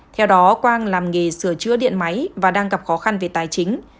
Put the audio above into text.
theo đó quang làm nghề sửa chữa điện máy và đang gặp khó khăn về tài chính